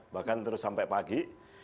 bahkan terus sampai pagi